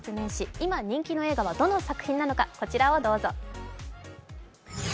今人気の映画はどの作品なのかこちらをどうぞ。